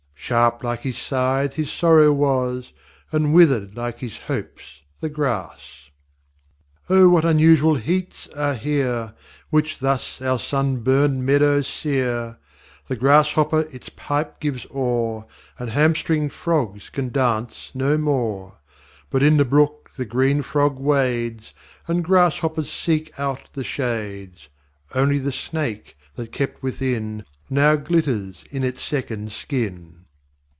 Sharp like his Sythe his Sorrow was, And wither'd like his Hopes the Grass. II Oh what unusual Heats are here, Which thus our Sun burn'd Meadows sear! The Grass hopper its pipe gives ore; And hamstring'd Frogs can dance no more. But in the brook the green Frog wades; And Grass hoppers seek out the shades. Only the Snake, that kept within, Now glitters in its second skin.